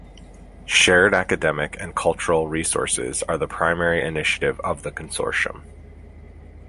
Shared academic and cultural resources are the primary initiative of the consortium.